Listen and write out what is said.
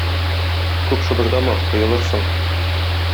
Күп шыбырдама, коелырсың!